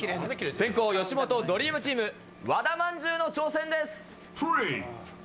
先攻吉本ドリームチーム和田まんじゅうの挑戦です！